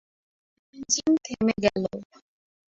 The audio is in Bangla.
ইঞ্জিন থেমে গেল।